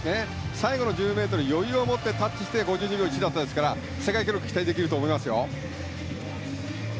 最後の１０ｍ余裕を持ってタッチして５２秒１でしたから世界記録期待できると思います。